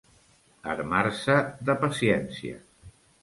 Armar-se de paciència.